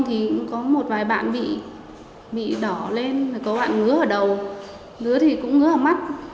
thì có một vài bạn bị đỏ lên có bạn ngứa ở đầu ngứa thì cũng ngứa ở mắt